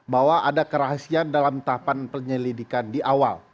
bahwa ada kerahasiaan dalam tahapan penyelidikan di awal